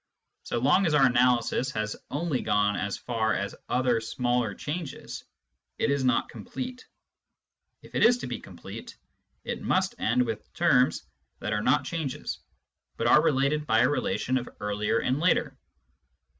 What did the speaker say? So long as our analysis has only gone as far as other smaller changes, it is not complete ; if it is to be complete, it must end with terms that are not changes, but are related by a relation of earlier and later.